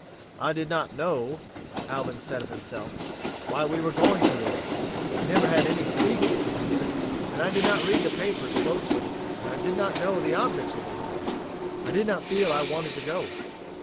"I did not know," Alvin said of himself, "why we were going to war. We never had any speakings in here, and I did not read the papers closely, and did not know the objects of the war. I did not feel I wanted to go."